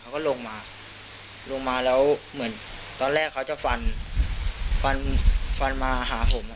เขาก็ลงมาลงมาแล้วเหมือนตอนแรกเขาจะฟันฟันฟันมาหาผม